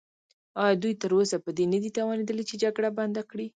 ایا دوی تراوسه په دې نه دي توانیدلي چې جګړه بنده کړي؟